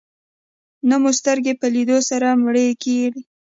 نه مو سترګې په لیدو سره مړې کړې.